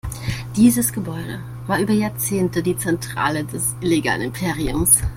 Dieses Gebäude war über Jahrzehnte die Zentrale des illegalen Imperiums.